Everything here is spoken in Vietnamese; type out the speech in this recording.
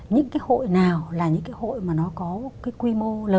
những cái hội nào là những cái hội mà nó có cái quy mô lớn